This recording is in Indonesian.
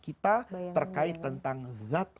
kita terkait tentang zat